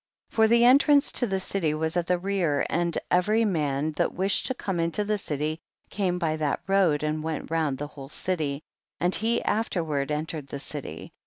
21. For the entrance to the city was at the rear, and every man that wished to come into the city came by that road and went round the whole city, and he afterward entered the city.